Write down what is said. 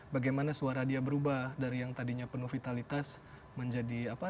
bagaimana suara dia berubah dari yang tadinya penuh vitalitas menjadi apa